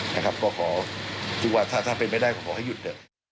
นะครับก็ขอถ้าเป็นไม่ได้ก็ขอให้หยุด